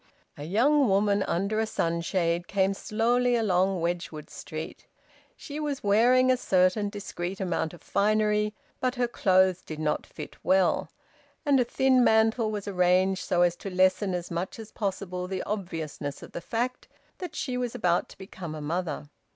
A young woman under a sunshade came slowly along Wedgwood Street. She was wearing a certain discreet amount of finery, but her clothes did not fit well, and a thin mantle was arranged so as to lessen as much as possible the obviousness of the fact that she was about to become a mother.